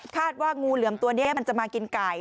ว่างูเหลือมตัวนี้มันจะมากินไก่